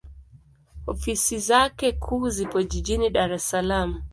Ofisi zake kuu zipo Jijini Dar es Salaam.